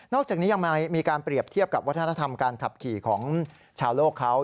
อกจากนี้ยังมีการเปรียบเทียบกับวัฒนธรรมการขับขี่ของชาวโลกเขา